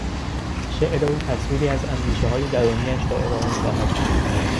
شعر او تصویری از اندیشههای درونیاش را ارائه میدهد.